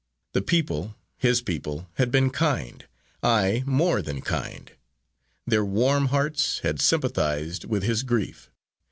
The people, his people, had been kind, aye, more than kind. Their warm hearts had sympathised with his grief.